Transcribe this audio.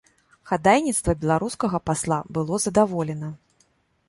Хадайніцтва беларускага пасла было задаволена.